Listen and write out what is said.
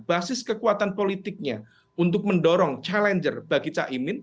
basis kekuatan politiknya untuk mendorong challenger bagi caimin